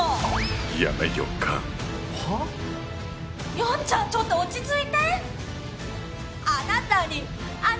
ヤンちゃんちょっと落ち着いて！